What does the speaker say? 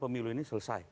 pemilu ini selesai